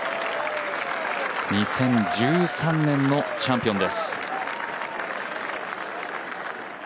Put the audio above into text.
２０１３年のチャンピオンです。